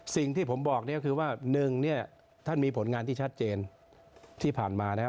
สิ่งที่ผมบอกเนี่ยก็คือว่าหนึ่งเนี่ยท่านมีผลงานที่ชัดเจนที่ผ่านมานะครับ